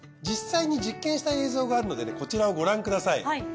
実際に実験した映像があるのでねこちらをご覧ください。